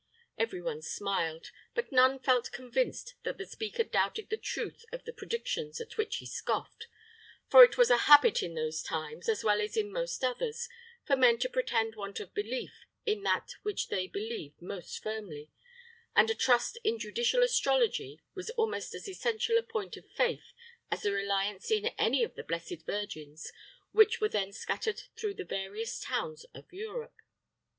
Every one smiled, but none felt convinced that the speaker doubted the truth of the predictions at which he scoffed; for it was a habit in those times, as well as in most others, for men to pretend want of belief in that which they believe most firmly, and a trust in judicial astrology was almost as essential a point of faith as a reliance in any of the blessed Virgins which were then scattered through the various towns of Europe.